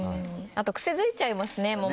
あと癖付いちゃいますね。